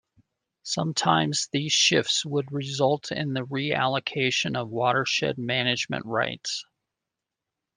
Sometimes these shifts would result in the reallocation of watershed management rites.